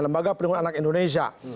lembaga pendukung anak indonesia